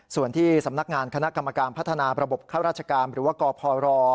ส่วนที่สำนักงานคณะกรรมการพัฒนาระบบข้าราชการหรือว่ากพร